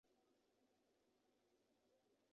卡瑙巴尔是巴西塞阿拉州的一个市镇。